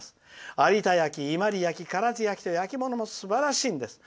有田焼、伊万里焼、唐津焼と焼き物もすばらしいんです」。